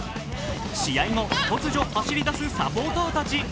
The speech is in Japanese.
試合後、突如走り出すサポーターたち。